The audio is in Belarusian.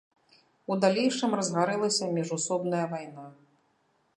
У далейшым разгарэлася міжусобная вайна.